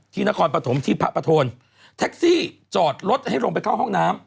นครปฐมที่พระประโทนแท็กซี่จอดรถให้ลงไปเข้าห้องน้ำ